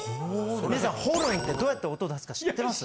皆さんホルンってどうやって音出すか知ってます？